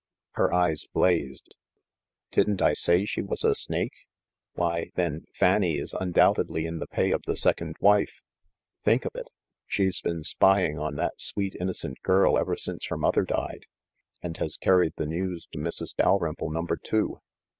Her eyes blazed. "Didn't I say she was a snake? Why, then, Fanny is undoubtedly in the pay of the second wife ! Think of it ! She's been spying on that sweet innocent girl ever since her mother died, and has carried the 158 THE MASTER OF MYSTERIES news to Mrs. Dalrymple number two.